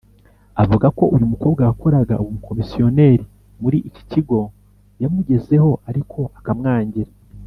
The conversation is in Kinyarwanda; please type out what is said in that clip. Avuga ko uyu mukobwa wakoraga ubukomisiyoneri muri iki kigo yamugezeho ariko akamwangira.